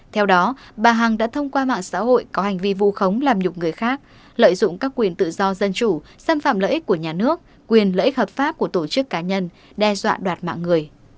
theo đó bà hằng đã thông qua mạng xã hội có hành vi vu khống làm nhục người khác lợi dụng các quyền tự do dân chủ xâm phạm lợi ích của nhà nước quyền lợi ích hợp pháp của tổ chức cá nhân đe dọa đoạt mạng người